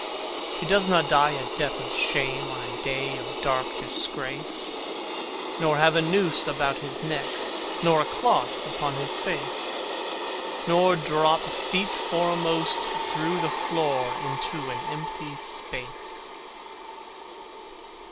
He does not die a death of shame On a day of dark disgrace, Nor have a noose about his neck, Nor a cloth upon his face, Nor drop feet foremost through the floor Into an empty space.